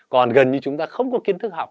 còn gần như chúng ta không có kiến thức học